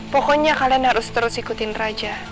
pokoknya kalian harus terus ikutin raja